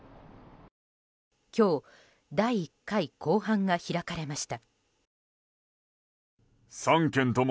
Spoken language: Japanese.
今日、第１回公判が開かれました。